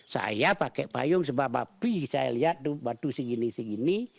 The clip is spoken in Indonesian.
saya pakai payung sebab bapi saya lihat tuh batu segini segini